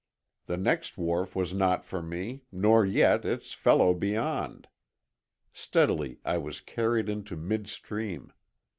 The next wharf was not for me nor yet its fellow beyond. Steadily I was carried into mid stream.